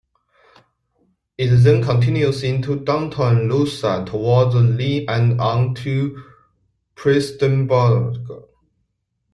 It then continues into downtown Louisa toward Inez and on to Prestonsburg.